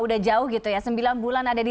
saya sendiri kampus unikal